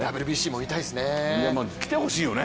ＷＢＣも見たいですね。